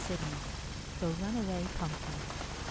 XIV. THE RUNAWAY PUMPKIN.